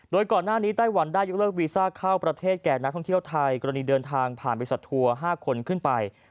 โดยก่อนหน้านี้ไต้หวันได้ยกเลิกวีซ่าเข้าประเทศแก่นักท่องเที่ยวไทยกรณีเดินทางผ่านบริษัททัวร์๕คนขึ้นไป